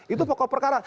itu pokok perkara